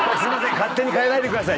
勝手に変えないでください。